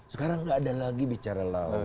sekarang gak ada lagi bicara laut